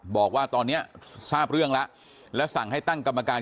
บอกว่าตอนนี้ทราบเรื่องแล้วและสั่งให้ตั้งกรรมการ